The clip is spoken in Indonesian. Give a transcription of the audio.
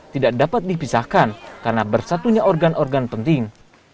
tidak dapat dipisahkan karena bersatunya organ organ penting